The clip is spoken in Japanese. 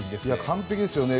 完璧ですよね。